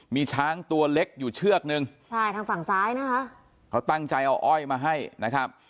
มีช้างตัวเล็กอยู่เชือกนึงใช่ทางฝั่งซ้ายนะคะเขาตั้งใจเอาอ้อยมาให้นะครับ